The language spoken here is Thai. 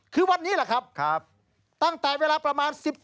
คือวันนี้แหละครับตั้งแต่เวลาประมาณ